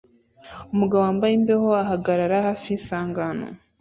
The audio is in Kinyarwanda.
Umugabo wambaye imbeho ahagarara hafi y'isangano